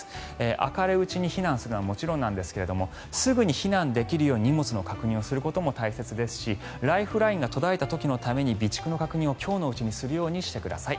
明るいうちに避難するのはもちろんなんですがすぐに避難できるように荷物の確認をすることも大切ですし、ライフラインが途絶えた時のために備蓄の確認を今日のうちにするようにしてください。